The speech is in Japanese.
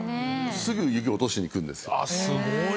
すぐ雪落としに行くんですよ。